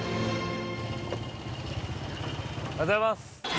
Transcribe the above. おはようございます。